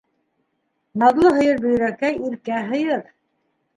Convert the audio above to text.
Наҙлы пыйыр Бөйрәкәй, иркә һыйыр.